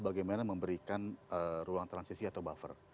bagaimana memberikan ruang transisi atau buffer